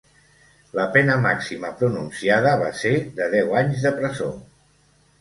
La pena màxima pronunciada va ser de deu anys de presó.